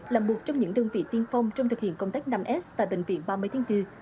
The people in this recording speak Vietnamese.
là một trong những đơn vị tiên phong trong thực hiện công tác năm s tại bệnh viện ba mươi tháng bốn